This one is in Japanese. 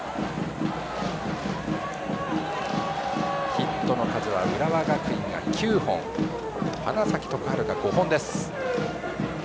ヒットの数は浦和学院が９本花咲徳栄が５本です。